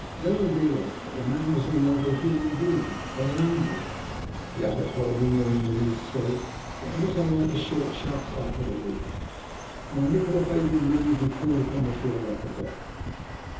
Then I realized that the man was no longer a human being, but an animal. He uttered horrible noises in his throat, that were not unlike the short, sharp bark of a wolf, and when Nikola bade him move he crawled upon the floor like a dog.